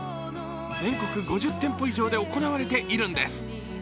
全国５０店舗以上で行われているんです。